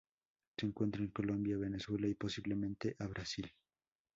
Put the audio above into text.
Se encuentra en Colombia, Venezuela y, posiblemente, a Brasil.